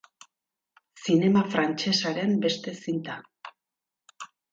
Zinema frantsesaren beste zinta.